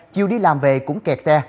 chiều đi làm về cũng kẹt xe